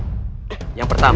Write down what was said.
ini ada di al quran kami